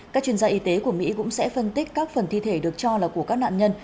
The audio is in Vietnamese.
các chuyên gia y tế của mỹ cũng sẽ phân tích các phần thi thể được cho là của các nạn nhân